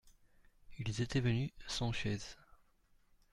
Ils étaient venus sans chaise.